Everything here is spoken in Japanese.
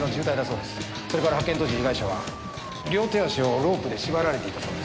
それから発見当時被害者は両手足をロープで縛られていたそうです。